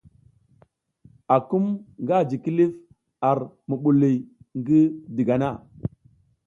Akum nga ji kilif ar mubuliy ngi digana.